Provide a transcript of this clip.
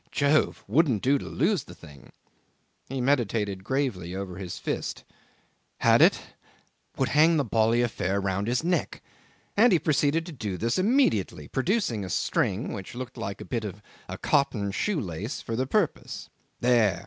Jove! wouldn't do to lose the thing. He meditated gravely over his fist. Had it? Would hang the bally affair round his neck! And he proceeded to do this immediately, producing a string (which looked like a bit of a cotton shoe lace) for the purpose. There!